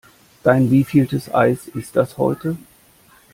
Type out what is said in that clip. Dein wievieltes Eis ist das heute?